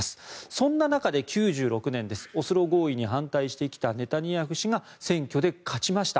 そんな中で９６年オスロ合意に反対してきたネタニヤフ氏が選挙で勝ちました。